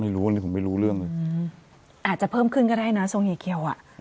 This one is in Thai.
ไม่รู้อันนี้ผมไม่รู้เรื่องเลยอืมอาจจะเพิ่มขึ้นก็ได้นะทรงเฮีเคียวอ่ะ